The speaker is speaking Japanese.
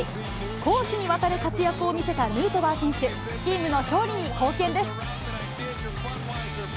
攻守にわたる活躍を見せたヌートバー選手、チームの勝利に貢献です。